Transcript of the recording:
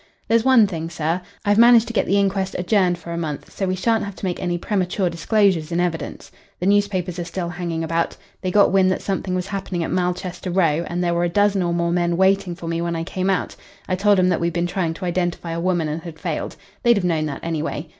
There's one thing, sir. I've managed to get the inquest adjourned for a month, so we shan't have to make any premature disclosures in evidence. The newspapers are still hanging about. They got wind that something was happening at Malchester Row, and there were a dozen or more men waiting for me when I came out, I told 'em that we'd been trying to identify a woman and had failed. They'd have known that anyway.